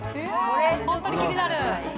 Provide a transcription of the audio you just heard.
本当に気になる。